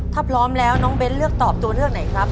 ถ้าพร้อมแล้วน้องเบ้นเลือกตอบตัวเลือกไหนครับ